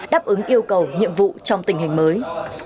đáp ứng yêu cầu nhiệm vụ trong tình hình mới